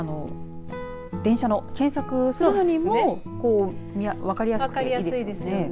電車の検索をするにも分かりやすくて、いいですよね。